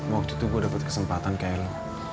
waktu itu gue dapet kesempatan kayak lo